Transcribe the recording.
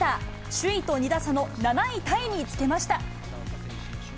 首位と２打差の７位タイにつけました。